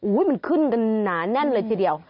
มันขึ้นกันหนาแน่นเลยทีเดียว